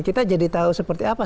kita jadi tahu seperti apa